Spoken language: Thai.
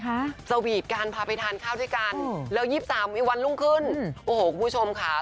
เกิดสวีตกันพาไปทานข้าวด้วยกันแล้ว๒๓มีวันลุ่งขึ้นโอ้โหคุณผู้ชมขา